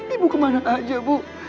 ibu kemana aja bu